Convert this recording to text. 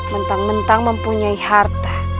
mentang mentang mempunyai harta